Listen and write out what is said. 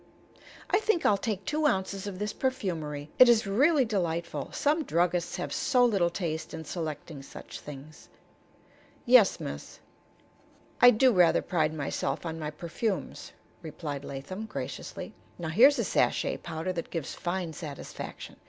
"I think I'll take two ounces of this perfumery. It is really delightful. Some druggists have so little taste in selecting such things." "Yes, miss, I do rather pride myself on my perfumes," replied Latham, graciously. "Now here's a sachet powder that gives fine satisfaction."